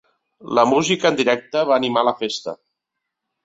La música en directe va animar la festa.